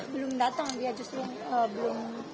belum datang dia justru belum